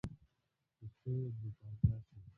پۀ څۀ به باچا شم ـ